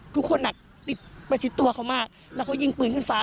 ทุกคนติดประชิดตัวเขามากแล้วเขายิงปืนขึ้นฟ้า